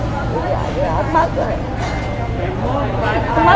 mất rồi mất rồi cô của bên em đi về